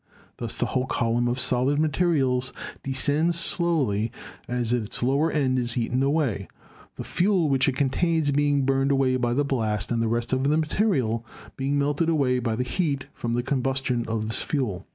Thus the whole column of solid materials descends slowly as its lower end is eaten away, the fuel which it contains being burned away by the blast and the rest of the material being melted away by the heat from the combustion of this fuel.